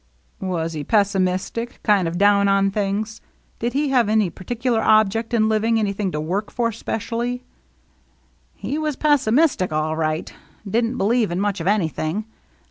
"Was he pessimistic — kind of down on things? Did he have any particular object in living — anything to work for specially ?"" He was pessimistic, all right. Didn't be lieve in much of anything.